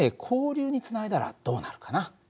交流につないだらどうなるかな？